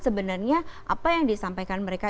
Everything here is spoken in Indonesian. sebenarnya apa yang disampaikan mereka